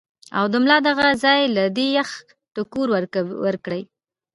او د ملا دغه ځائے له دې يخ ټکور ورکړي -